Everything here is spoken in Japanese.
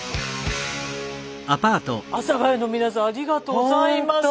阿佐ヶ谷の皆さんありがとうございます。